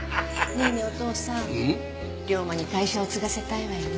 ねえねえお父さん遼馬に会社を継がせたいわよね？